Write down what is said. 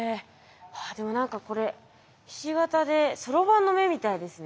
でも何かこれひし形でそろばんの目みたいですね。